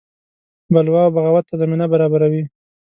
بلوا او بغاوت ته زمینه برابروي.